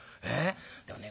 でもね